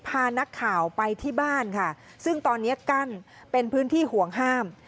พานักข่าวไปที่บ้านค่ะซึ่งตอนนี้กั้นเป็นพื้นที่ห่วงห้าม